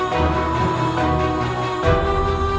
dari sang dewan